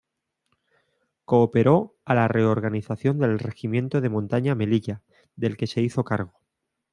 Cooperó a la reorganización del Regimiento de Montaña Melilla del que se hizo cargo.